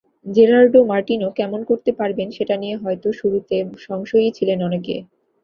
Gerardo Martino কেমন করতে পারবেন সেটা নিয়ে হয়তো শুরুতে সংশয়েই ছিলেন অনেকে।